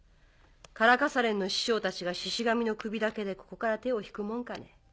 唐傘連の師匠たちがシシ神の首だけでここから手を引くもんかね。